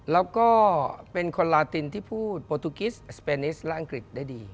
แล้วก็เป็นคนลาตินที่พูดโปรตูกิสสเปนิสและอังกฤษได้ดี